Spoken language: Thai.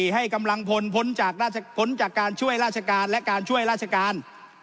ให้กำลังพลพ้นจากพ้นจากการช่วยราชการและการช่วยราชการ